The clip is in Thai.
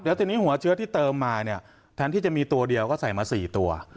แล้วทีนี้หัวเชื้อที่เติมมาเนี่ยแทนที่จะมีตัวเดียวก็ใส่มา๔ตัว